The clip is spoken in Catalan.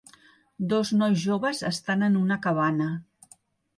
Dos nois joves estan en una cabana.